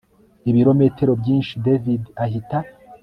ibirometero byinshi david ahita